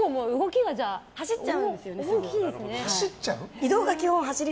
走っちゃう？